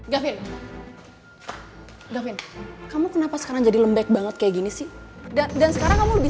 gavin david kamu kenapa sekarang jadi lembek banget kayak gini sih dan sekarang kamu lebih